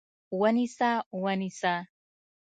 ونیسه! ونیسه!